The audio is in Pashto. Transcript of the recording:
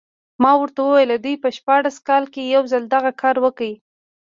ما ورته وویل دوی په شپاړس کال کې یو ځل دغه کار وکړ.